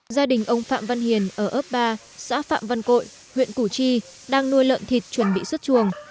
gia đình ông phạm văn hiền ở ấp ba xã phạm văn cội huyện củ chi đang nuôi lợn thịt chuẩn bị xuất chuồng